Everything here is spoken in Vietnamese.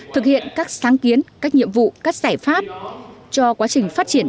thực hiện các sáng kiến các nhiệm vụ các giải pháp cho quá trình phát triển